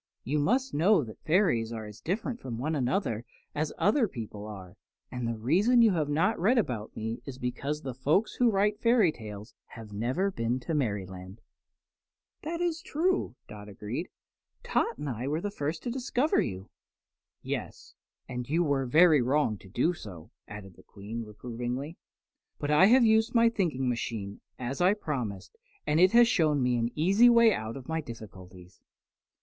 "You must know that fairies are as different from one another as other people are, and the reason you have not read about me is because the folk who write fairy tales have never been to Merryland." "That is true," agreed Dot. "Tot and I were the first to discover you." "Yes, and you were very wrong to do so," added the Queen, reprovingly. "But I have used my thinking machine, as I promised, and it has shown me an easy way out of my difficulties."